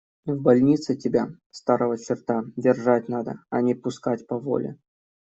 В больнице тебя, старого черта, держать надо, а не пускать по воле.